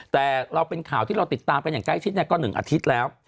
แต่เราเป็นข่าวที่เราติดตามกันอย่างใกล้ชิดก็๑อาทิตย์แล้ว